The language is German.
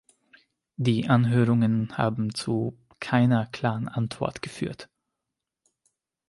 Die Anhörungen haben zu keiner klaren Antwort geführt.